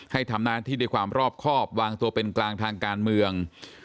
ให้ทำหน้าที่ด้วยความรอบครอบวางตัวเป็นกลางทางการเมือง